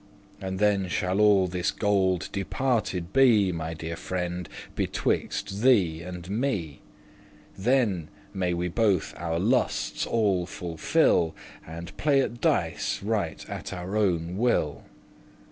And then shall all this gold departed* be, *divided My deare friend, betwixte thee and me: Then may we both our lustes* all fulfil, *pleasures And play at dice right at our owen will."